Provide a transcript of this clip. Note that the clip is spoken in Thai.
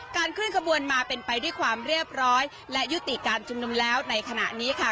เคลื่อนขบวนมาเป็นไปด้วยความเรียบร้อยและยุติการชุมนุมแล้วในขณะนี้ค่ะ